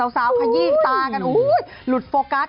สาวขยี้ตากันหลุดโฟกัส